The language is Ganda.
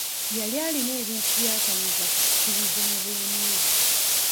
Yali alina ebintu by'atayinza kukkiriza mu bulamu bwe.